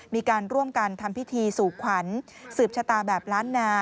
มีการร่วมกันทำพิธีสู่ขวัญสืบชะตาแบบล้านนา